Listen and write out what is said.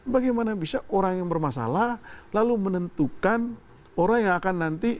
bagaimana bisa orang yang bermasalah lalu menentukan orang yang akan nanti